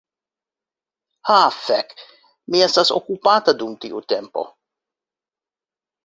"Ha fek' mi estas okupata dum tiu tempo"